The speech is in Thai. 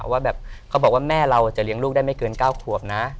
ว่าแบบเขาบอกว่าแม่เราจะเลี้ยงลูกได้ไม่เกิน๙ขวบนะ